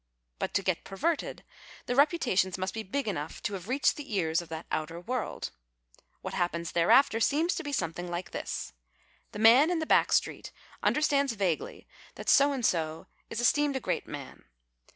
But, to get perverted, the rejjutations must be big enough to have reached the cars of that outer world. What happens, thereafter, seems to be something like this. The man in the back street understands vaguely that so and so is 184 P E R ^' E R T E D REPUTATIONS esteemed a great man.